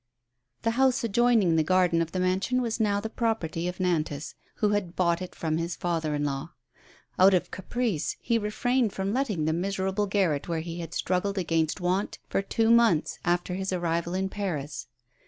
T he house adjoining the garden of the mansion was now the property of Nantas, who had bought it from his father in law. Out of caprice he refrained from letting the miserable garret where he had struggled against want for two months after his arrival in Paris.